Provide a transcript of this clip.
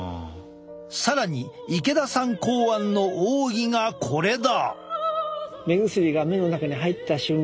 更に池田さん考案の奥義がこれだ！